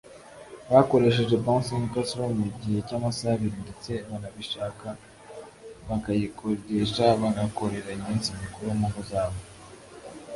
bakoresheje “bouncing Castle” mu gihe cy’amasaha abiri ndetse banabishaka bakayikodesha bagakorera iminsi mikuru mu ngo zabo